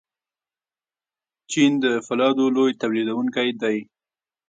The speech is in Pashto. چین د فولادو لوی تولیدونکی دی.